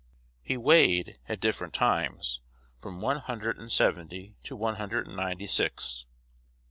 He weighed, at different times, from one hundred and seventy to one hundred and ninety six.